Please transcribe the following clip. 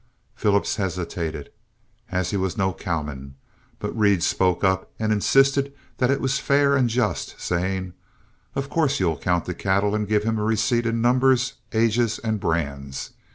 Phillips hesitated, as he was no cowman, but Reed spoke up and insisted that it was fair and just, saying: "Of course, you'll count the cattle and give him a receipt in numbers, ages, and brands.